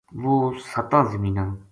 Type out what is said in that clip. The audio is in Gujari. وہ ستاں زمیناں